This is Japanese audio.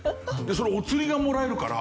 そのお釣りがもらえるからだから。